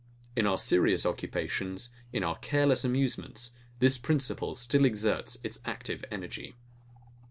In our serious occupations, in our careless amusements, this principle still exerts its active energy.